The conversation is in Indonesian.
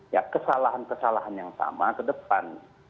ya kesalahan kesalahan yang sama ke depan